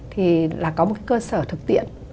thì là có một cái cơ sở thực tiện